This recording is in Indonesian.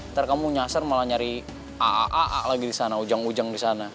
ntar kamu nyasar malah nyari aa lagi di sana ujang ujang di sana